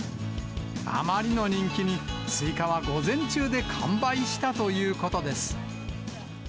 あまりの人気に、スイカは午前中で完売したということです。